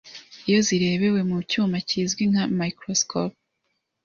iyo zirebewe mu cyuma kizwi nka microscope